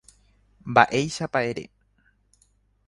Mba'éichapa ere.